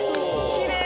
きれい！